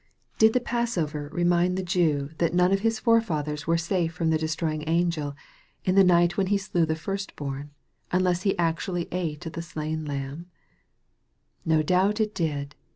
Did the passover remind the Jew that none of his fort MARK, CHAP. XIV. 305 fathers were safe from the destroying angel, in the night when he slew the first born, unless he actually ate of the slain lamb ? No doubt it did.